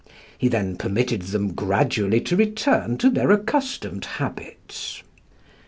He then permitted them gradually to return to their accustomed habits.